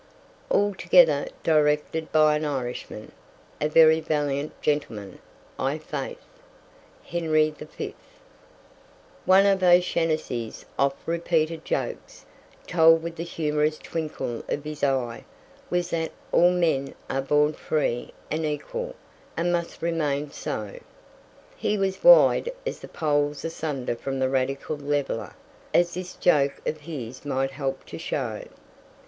"Altogether directed by an Irishman; a very valiant gentleman, i' faith." Henry V. One of O'Shanassy's oft repeated jokes, told with the humorous twinkle of his eye, was that "All men are born free and equal, AND MUST REMAIN SO." He was wide as the poles asunder from the radical leveller, as this joke of his might help to show.